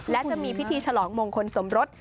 และจะมีพิธีฉลองมงคลสมรส